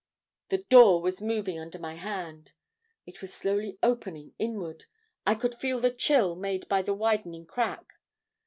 The door was moving under my hand. It was slowly opening inward. I could feel the chill made by the widening crack.